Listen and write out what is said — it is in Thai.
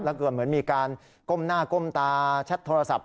แล้วก็เหมือนมีการก้มหน้าก้มตาแชทโทรศัพท์